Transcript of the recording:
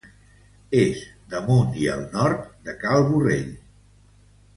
És damunt i al nord de Cal Borrell.